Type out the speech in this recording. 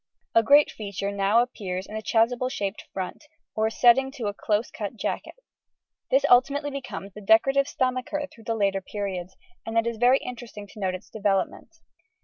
A great feature now appears in the chasuble shaped front or setting to a closely cut jacket. This ultimately becomes the decorative stomacher through the later periods, and it is very interesting to note its development.